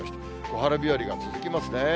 小春日和が続きますね。